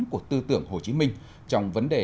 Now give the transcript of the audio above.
của tư tưởng hồ chí minh trong vấn đề